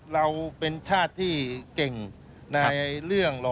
เราเป็นชาติที่เก่งในเรื่อง